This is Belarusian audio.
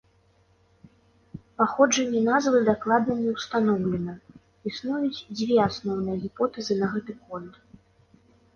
Паходжанне назвы дакладна не ўстаноўлена, існуюць дзве асноўныя гіпотэзы на гэты конт.